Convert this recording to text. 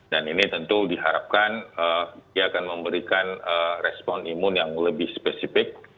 dan ini tentu diharapkan akan memberikan respon imun yang lebih spesifik